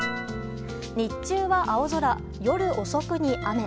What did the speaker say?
日中は青空、夜遅くに雨。